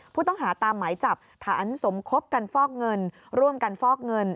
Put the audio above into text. ผู้ต้องหาตามหมายจับฐานสมคบกันฟอกเงินร่วมกันฟอกเงิน